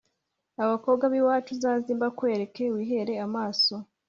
Abakobwa b’iwacu Uzaze mbakwereke wihere amaso